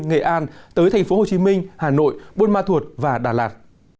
nghệ an tới thành phố hồ chí minh hà nội bôn ma thuột và đà lạt